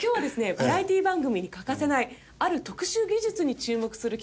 バラエティ番組に欠かせないある特殊技術に注目する企画となっています。